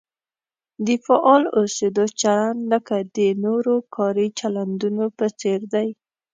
د فعال اوسېدو چلند لکه د نورو کاري چلندونو په څېر دی.